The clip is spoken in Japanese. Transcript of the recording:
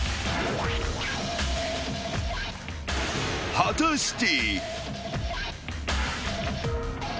［果たして］